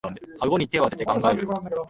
あごに手をあてて考える